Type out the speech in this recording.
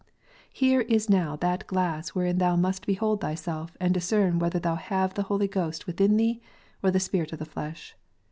Here is now that glass wherein thou must behold thyself, and discern whether thou have the Holy Ghost within thee or the spirit of the flesh.